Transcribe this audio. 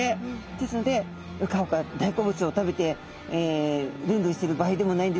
ですのでうかうか大好物を食べてるんるんしてる場合でもないんですね。